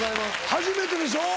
初めてでしょ？